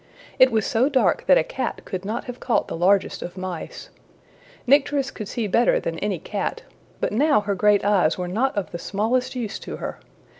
It was so dark that a cat could not have caught the largest of mice. Nycteris could see better than any cat, but now her great eyes were not of the smallest use to her.